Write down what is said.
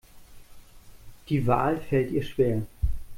Die Wahl fällt ihr schwer.